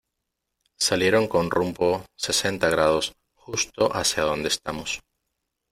salieron con rumbo sesenta grados , justo hacia donde estamos .